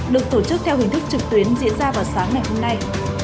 được tổ chức theo hình thức trực tuyến diễn ra vào sáng ngày hôm nay